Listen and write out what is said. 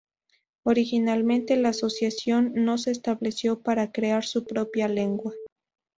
Originalmente, la asociación no se estableció para crear su propia lengua.